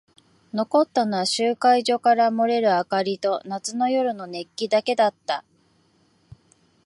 残ったのは集会所から漏れる明かりと夏の夜の熱気だけだった。